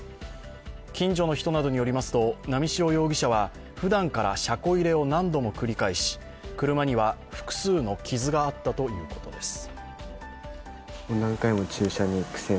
近所の人によりますと波汐容疑者はふだんから車庫入れを何度も繰り返し、車には複数の傷があったということです。